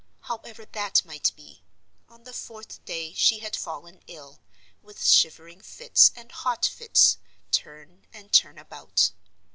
However that might be, on the fourth day she had fallen ill, with shivering fits and hot fits, turn and turn about.